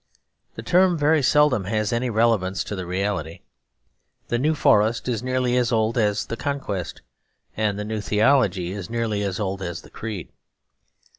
The term very seldom has any relevance to the reality. The New Forest is nearly as old as the Conquest, and the New Theology is nearly as old as the Creed.